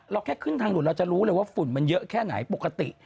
แค่ขึ้นทางด่วนเราจะรู้เลยว่าฝุ่นมันเยอะแค่ไหนปกติ